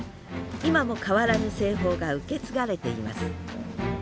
今も変わらぬ製法が受け継がれています。